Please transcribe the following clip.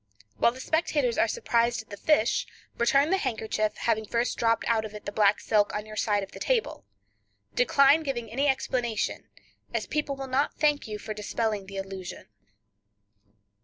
While the spectators are surprised at the fish, return the handkerchief, having first dropped out of it the black silk on your side of the table. Decline giving any explanation, as people will not thank your for dispelling the illusion.